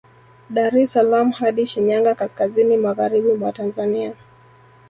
Dar es salaam hadi Shinyanga kaskazini magharibi mwa Tanzania